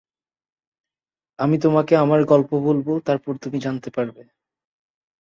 আমি তোমাকে আমার গল্প বলবো, তারপর তুমি জানতে পারবে।